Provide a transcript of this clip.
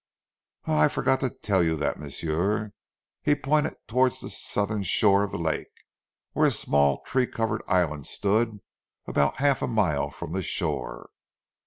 "Ah, I forgot to tell you dat, m'sieu." He pointed towards the southern shore of the lake, where a small tree covered island stood about half a mile from the shore.